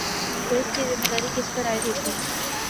تو اس کی ذمہ داری کس پر عائد ہوتی ہے؟